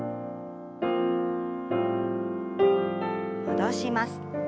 戻します。